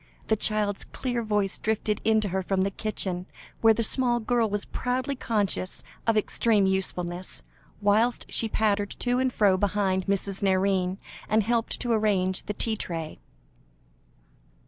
The child's clear voice drifted in to her from the kitchen, where the small girl was proudly conscious of extreme usefulness, whilst she pattered to and fro behind Mrs. Nairne, and helped to arrange the tea tray.